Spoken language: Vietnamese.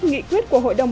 nghị quyết của hội đồng